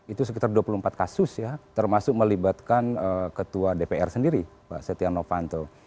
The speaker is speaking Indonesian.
itu sekitar dua puluh empat kasus ya termasuk melibatkan ketua dpr sendiri pak setia novanto